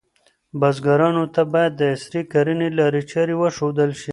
بزګرانو ته باید د عصري کرنې لارې چارې وښودل شي.